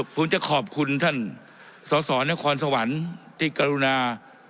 ผมจะขอบคุณท่านสสนครสวรรค์ที่กรุณา